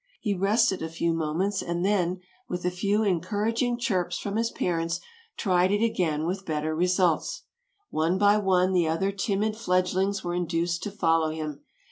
He rested a few moments and then, with a few encouraging chirps from his parents, tried it again with better results. One by one the other timid fledglings were induced to follow him.